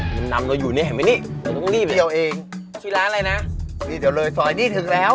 มันนำเราอยู่นี่เห็นไหมนี่ต้องรีบไปเอาเองที่ร้านอะไรนะนี่เดี๋ยวเลยซอยนี้ถึงแล้ว